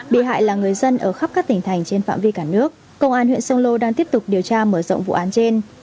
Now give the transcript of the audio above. bị hại là người dân ở khắp các tỉnh thành trên phạm vi cả nước công an huyện sông lô đang tiếp tục điều tra mở rộng vụ án trên